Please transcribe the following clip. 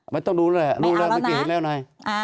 ไม่ต้องดูแล้วแหละดูแล้วเมื่อกี้เห็นแล้วนาย